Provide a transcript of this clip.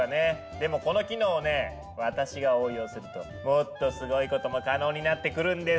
でもこの機能をね私が応用するともっとすごいことも可能になってくるんですよ。